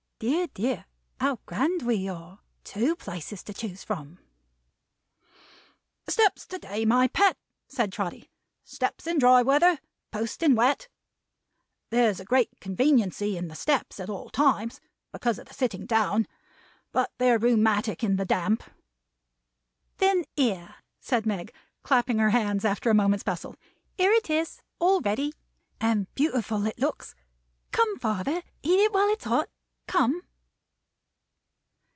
Dear, dear, how grand we are. Two places to choose from!" "The steps to day, my Pet," said Trotty. "Steps in dry weather. Post in wet. There's a great conveniency in the steps at all times, because of the sitting down; but they're rheumatic in the damp." "Then here," said Meg, clapping her hands, after a moment's bustle; "here it is, all ready! And beautiful it looks! Come, father. Eat it while it's hot. Come!"